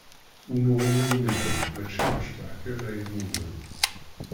Unuɣen urmiden mačči i imecṭaḥ kan ay mmugen.